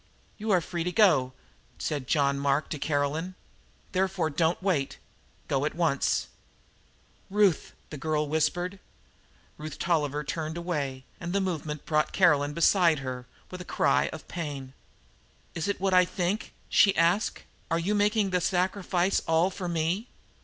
"You are free to go," said John Mark to Caroline. "Therefore don't wait. Go at once." "Ruth!" whispered the girl. Ruth Tolliver turned away, and the movement brought Caroline beside her, with a cry of pain. "Is it what I think?" she asked. "Are you making the sacrifice all for me?